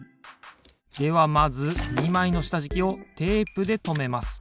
ではまず２まいのしたじきをテープでとめます。